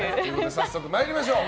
早速参りましょう。